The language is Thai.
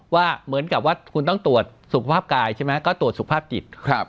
ว่าเหมือนกับว่าคุณต้องตรวจสุขภาพกายใช่ไหมก็ตรวจสุขภาพจิต